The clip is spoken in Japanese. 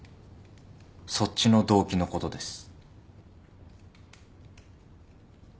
そっちの動機のことです。